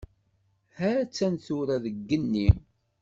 Ha-tt-an tura deg yigenni.